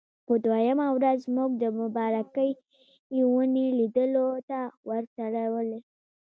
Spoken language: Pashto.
په دویمه ورځ موږ د مبارکې ونې لیدلو ته ورتللو.